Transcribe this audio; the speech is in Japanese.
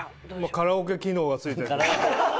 カラオケ機能が付いてるとか。